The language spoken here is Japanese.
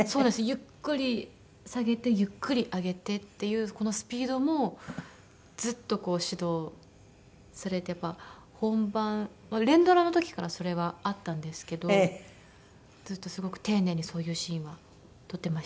ゆっくり下げてゆっくり上げてっていうこのスピードもずっと指導されてやっぱり本番連ドラの時からそれはあったんですけどずっとすごく丁寧にそういうシーンは撮ってましたね。